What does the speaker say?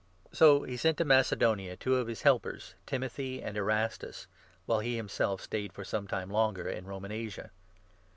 So he sent to Macedonia two of his helpers, Timothy and Erastus, 22 while he himself stayed for some time longer in Roman Asia.